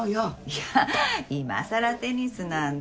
いや今さらテニスなんて。